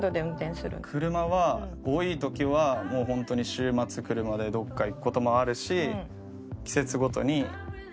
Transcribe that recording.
車は多い時はもう本当に週末車でどこか行く事もあるし。